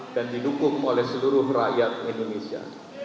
didukung oleh seluruh rakyat indonesia